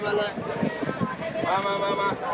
มามา